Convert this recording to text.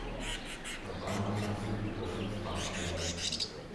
Der Bahnhof verfügt über fünf Bahnsteige.